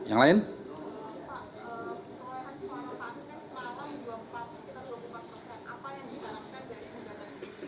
apa yang harus dilakukan di depan